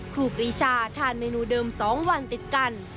ครูปรีชาทานเมนูเดิม๒วันติดกัน